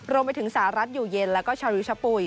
รวมไปถึงสหรัฐอยู่เย็นแล้วก็ชาริวชะปุ๋ย